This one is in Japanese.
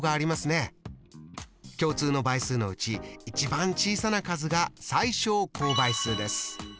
共通の倍数のうち一番小さな数が最小公倍数です。